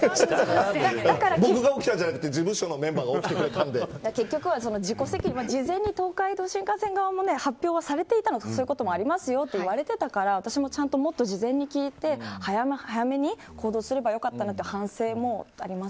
僕が起きたんじゃなくて事務所のメンバーが結局は事前に東海道新幹線側も発表されていたのでそういうこともありますと言われていたんですけど私も事前に聞いて、早めに行動すればよかったなと反省もあります。